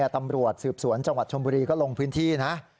ตำรวจสืบสวนจังหวัดชมบุรีก็ลงพื้นที่นะ